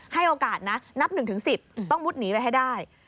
ให้โอกาสนะนับ๑๑๐ต้องมุดหนีไปให้ได้